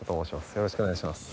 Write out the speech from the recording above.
よろしくお願いします。